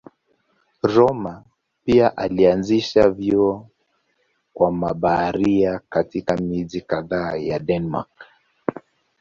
Rømer pia alianzisha vyuo kwa mabaharia katika miji kadhaa ya Denmark.